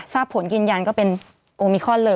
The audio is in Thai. ผลยืนยันก็เป็นโอมิคอนเลย